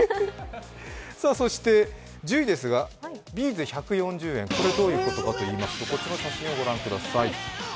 そして１０位ですが、Ｂ’ｚ１４０円、どういうことかといいますとこちらの写真をご覧ください。